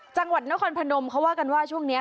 จังหวัดนครพนมเขาว่ากันว่าช่วงนี้